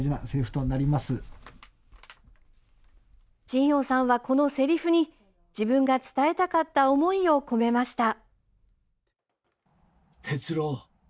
仁凰さんは、このせりふに自分が伝えたかった思いを込めました。